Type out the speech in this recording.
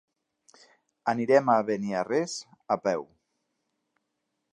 Anirem a Beniarrés a peu.